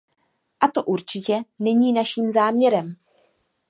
A to určitě není naším záměrem.